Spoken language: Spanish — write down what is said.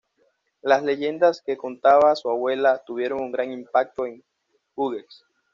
Las leyendas que contaba su abuela tuvieron un gran impacto en Hughes.